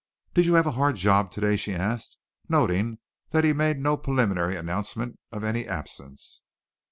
"Did you have a hard job today?" she asked, noting that he made no preliminary announcement of any absence.